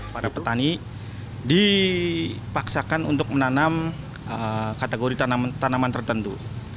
para petani dipaksakan untuk menanam kategori tanaman tertentu